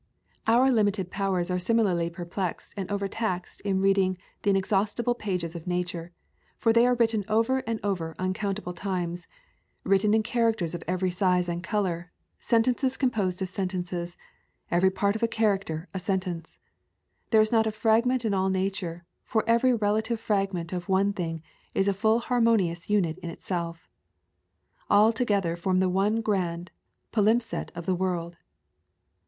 Our limited powers are similarly perplexed and overtaxed in reading the inex haustible pages of nature, for they are written over and over uncountable times, written in characters of every size and color, sentences composed of sentences, every part of a char acter a sentence. There is not a fragment in all nature, for every relative fragment of one thing is a full harmonious unit in itself. All together form the one grand palimpsest of the world.